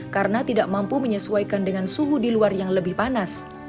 karena tidak mampu menyesuaikan dengan suhu di luar yang lebih panas